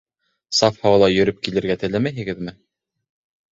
Саф һауала йөрөп килергә теләмәйһегеҙме?